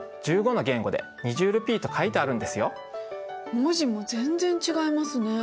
文字も全然違いますね。